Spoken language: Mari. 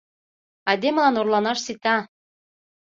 Айдемылан орланаш сита.